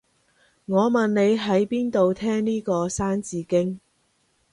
我問你喺邊度聽呢個三字經